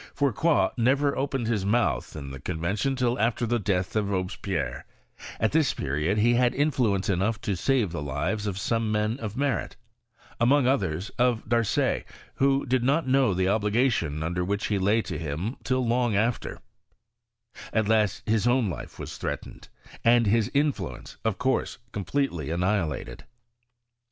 Fourcroy never opened his mouth in the Con vention till after the death of Robespierre ; at this period he had influence enough to save the lives of some men of merit : among others, of Darcet, who did not know the obligation under which he lay to bim till long after ; at last his own life was threat ened, and his influence, of course, completely anni bilated.